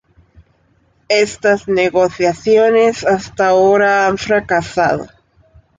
Estas negociaciones hasta ahora han fracasado.